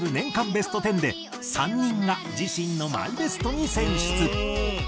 ベスト１０で３人が自身のマイベストに選出。